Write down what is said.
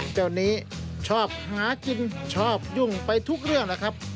เจ้านี้ชอบหากินชอบยุ่งไปทุกเรื่องแหละครับ